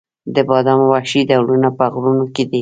د بادامو وحشي ډولونه په غرونو کې دي؟